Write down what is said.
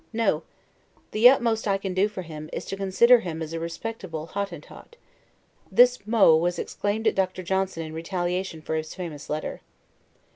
No. The utmost I can do for him, is to consider him as a respectable Hottentot. [This 'mot' was aimed at Dr. Johnson in retaliation for his famous letter.